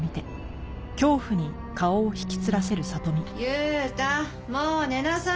裕太もう寝なさい。